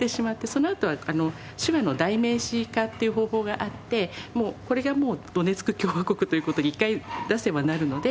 そのあとは手話の代名詞化っていう方法があってこれがもうドネツク共和国という事に一回出せばなるので。